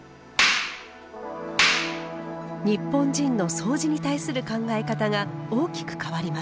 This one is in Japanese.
日本人のそうじに対する考え方が大きく変わります。